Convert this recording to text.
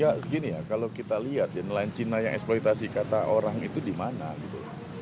ya segini ya kalau kita lihat ya nelayan cina yang eksploitasi kata orang itu di mana gitu loh